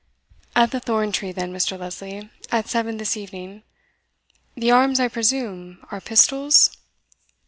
"At the thorn tree, then, Mr. Lesley, at seven this evening the arms, I presume, are pistols?"